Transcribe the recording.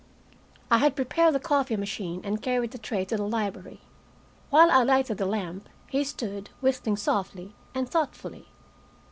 I had prepared the coffee machine and carried the tray to the library. While I lighted the lamp, he stood, whistling softly, and thoughtfully.